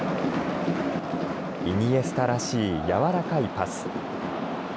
イニエスタらしい柔らかいパス。